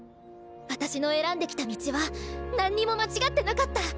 私の選んできた道は何にも間違ってなかった！